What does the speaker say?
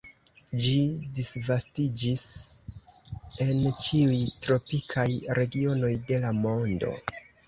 Ĝi disvastiĝis en ĉiuj tropikaj regionoj de la mondo.